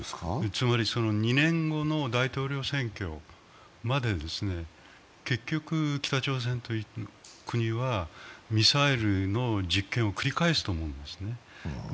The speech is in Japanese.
つまり、２年後の大統領選挙まで北朝鮮という国はミサイルの実験を繰り返すと思うんですね。